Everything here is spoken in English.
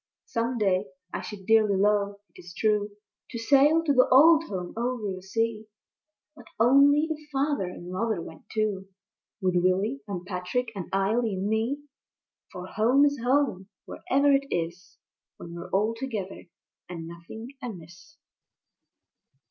Some day I should dearly love, it is true, To sail to the old Home over the sea; But only if Father and Mother went too, With Willy and Patrick and Eily and me. For Home is Home wherever it is, When we're all together and nothing amiss.